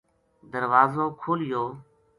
دروازو کھولیو